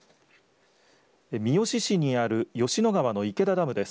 三好市にある吉野川の池田ダムです。